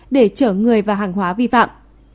để chở người và hàng hóa vi phạm